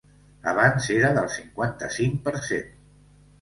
Abans era del cinquanta-cinc per cent.